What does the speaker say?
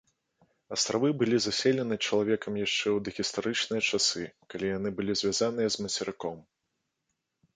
Астравы былі заселены чалавекам яшчэ ў дагістарычныя часы, калі яны былі звязаны з мацерыком.